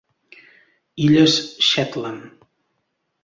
Illes Shetland.